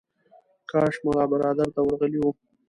کاش ملا برادر ته ورغلی و.